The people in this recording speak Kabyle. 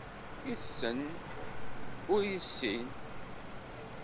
Issen, ur issin.